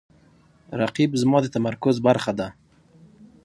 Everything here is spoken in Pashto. رقیب زما د تمرکز برخه ده